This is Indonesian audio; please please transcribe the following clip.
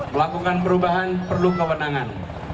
melakukan perubahan perlu kewenangan